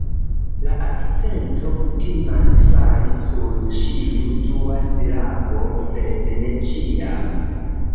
La akcento kutimas fali sur ĉiu dua silabo sed ne ĉiam